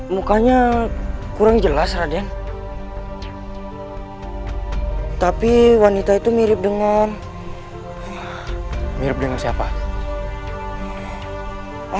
mukanya kurang jelas raden tapi wanita itu mirip dengan mirip dengan siapa